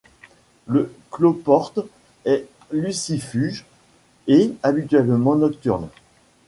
Le cloporte est lucifuge et habituellement nocturne.